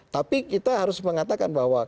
tapi kita harus mengatakan bahwa